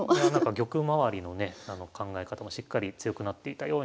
玉周りのね考え方もしっかり強くなっていたように思います。